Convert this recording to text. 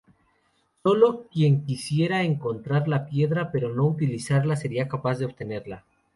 Solo quien quisiera encontrar la piedra pero no utilizarla sería capaz de obtenerla.